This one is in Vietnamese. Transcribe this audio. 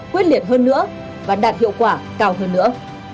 quyết liệt hơn nữa và đạt hiệu quả cao hơn nữa